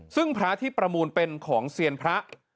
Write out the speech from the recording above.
ซึ่งพระที่ประมูลเป็นของเซียนพระ